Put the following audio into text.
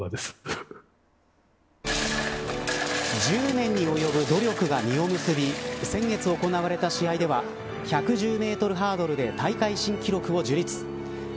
１０年に及ぶ努力が実を結び先月行われた試合では１１０メートルハードルで大会新記録を樹立。